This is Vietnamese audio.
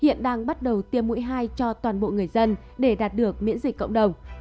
hiện đang bắt đầu tiêm mũi hai cho toàn bộ người dân để đạt được miễn dịch cộng đồng